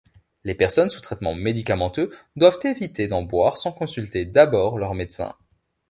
Les personnes sous traitement médicamenteux doivent éviter d'en boire sans consulter d'abord leur médecin.